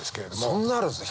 そんなあるんですね。